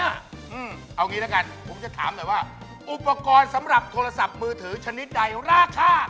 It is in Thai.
เอางี้ละกันผมจะถามหน่อยว่าอุปกรณ์สำหรับโทรศัพท์มือถือชนิดใดราคา